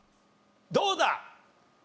どうだ？